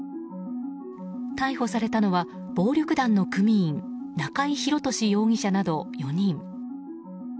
逮捕されたのは暴力団の組員中井弘敏容疑者など４人。